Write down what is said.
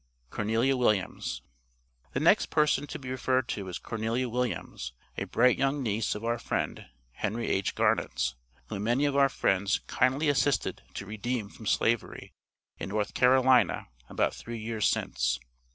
CORNELIA WILLIAMS. The next person to be referred to is Cornelia Williams, a bright young niece of our friend, Henry H. Garnet's, whom many of our friends kindly assisted to redeem from Slavery, in North Carolina, about three years since.